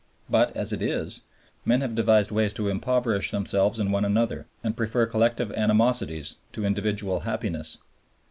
But as it is, men have devised ways to impoverish themselves and one another; and prefer collective animosities to individual happiness.